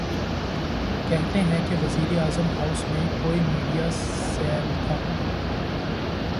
کہتے ہیں کہ وزیراعظم ہاؤس میں کوئی میڈیا سیل تھا۔